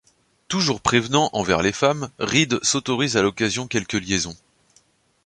Toujours prévenant envers les femmes, Reed s'autorise à l'occasion quelques liaisons.